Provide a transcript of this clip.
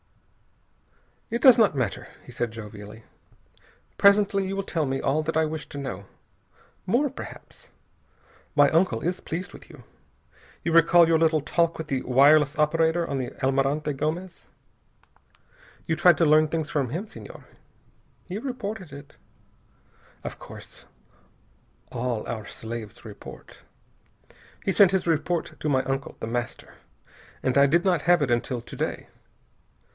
"It does not matter," he said jovially. "Presently you will tell me all that I wish to know. More, perhaps. My uncle is pleased with you. You recall your little talk with the wireless operator on the Almirante Gomez? You tried to learn things from him, Senhor. He reported it. Of course. All our slaves report. He sent his report to my uncle, The Master, and I did not have it until to day.